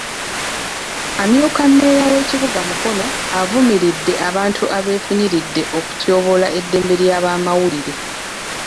Amyuka mmeeya w'ekibuga Mukono avumiridde abantu abeefunyiridde okutyoboola eddembe ly'abamawulire.